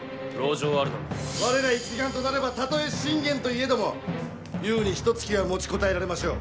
我ら一丸となればたとえ信玄といえども優にひとつきは持ちこたえられましょう。